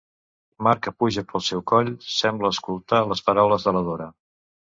Mar que puja pel seu coll, sembla escoltar les paraules de la Dora.